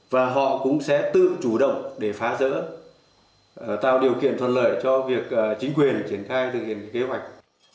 và họ cũng sẽ tự chủ động để phá rỡ tạo điều kiện thuận lợi cho việc chính quyền triển khai thực hiện kế hoạch